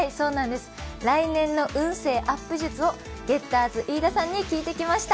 来年の運勢アップ術をゲッターズ飯田に聞いてきました。